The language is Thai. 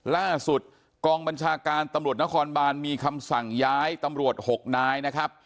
ล่าสุดกองบัญชาการตำรวจนครบานมีคำสั่งย้ายตำรวจ๖นายนะครับ